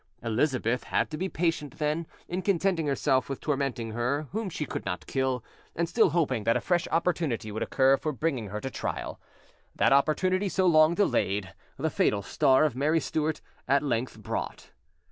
Elizabeth had to be patient, then, in contenting herself with tormenting her whom she could not kill, and still hoping that a fresh opportunity would occur for bringing her to trial. That opportunity, so long delayed, the fatal star of Mary Stuart at length brought.